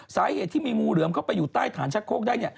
สาเหตุที่มีงูเหลือมเข้าไปอยู่ใต้ฐานชักโคกได้